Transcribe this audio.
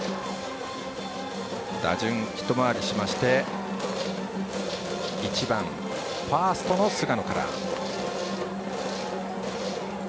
打順、一回りしまして１番、ファーストの菅野から。